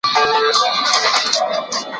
ایا دوی کولای سي چي دا فابریکه بېرته فعاله کړي؟